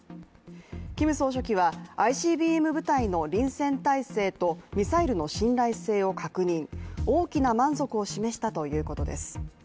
キム総書記は、ＩＣＢＭ部隊の臨戦態勢とミサイルの信頼性を確認、大きな満足を示したということです。